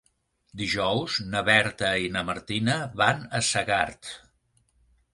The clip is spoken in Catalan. Dijous na Berta i na Martina van a Segart.